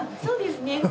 そうですね。